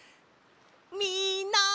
みんな！